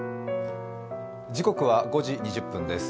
時刻は５時２０分です。